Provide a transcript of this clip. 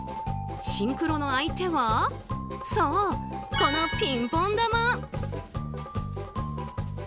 シンクロの相手はそう、このピンポン球。